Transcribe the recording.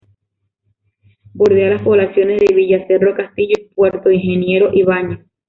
Bordea las poblaciones de Villa Cerro Castillo y Puerto Ingeniero Ibañez.